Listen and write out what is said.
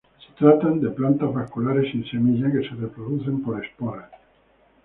Se tratan de plantas vasculares, sin semilla, que se reproducen por esporas.